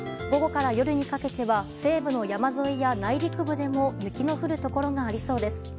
午後から夜にかけては西部の山沿いや内陸部でも雪の降るところがありそうです。